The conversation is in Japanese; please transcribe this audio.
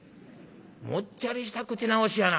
もっちゃりした口直しやなあんた。